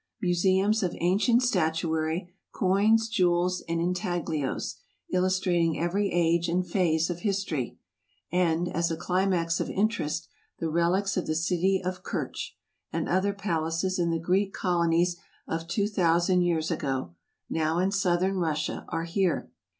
Museums of ancient statuary, coins, jewels, and intaglios, illustrating every age and phase of history, and, as a climax of interest, the relics of the city of Kertch and other palaces in the Greek colonies of two thousand years ago — now in southern Russia — are here.